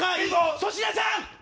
粗品さん。